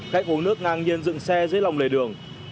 khách uống nước ngang nhiên dựng xe dưới lòng lề đường